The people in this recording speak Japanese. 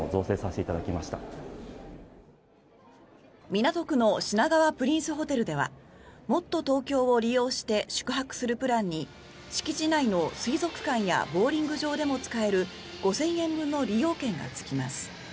港区の品川プリンスホテルではもっとＴｏｋｙｏを利用して宿泊するプランに敷地内の水族館やボウリング場でも使える５０００円分の利用券がつきます。